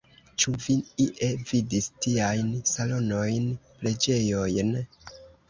Ĉu vi ie vidis tiajn salonojn, preĝejojn?